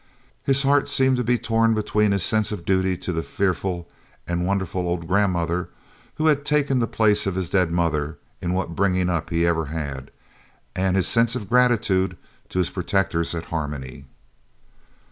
His heart seemed to be torn between his sense of duty to the fearful and wonderful old grandmother, who had taken the place of his dead mother in what bringing up he ever had, and his sense of gratitude to his protectors at Harmony.